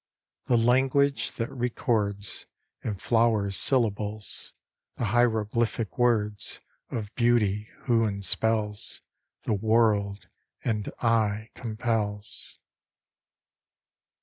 The language, that records, In flower syllables, The hieroglyphic words Of beauty, who enspells The world and aye compels.